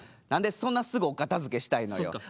何でそんなすぐお片づけしたいのよ。